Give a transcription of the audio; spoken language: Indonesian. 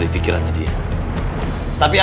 dan coba ngejebak aku